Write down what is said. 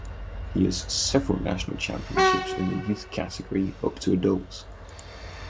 He has several national championships in the youth category up to adults.